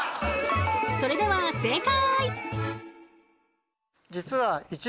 それでは正解！